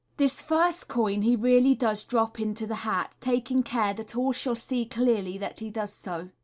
This first coin he really does drop into the hat, taking care that all shall see clearly that he does so.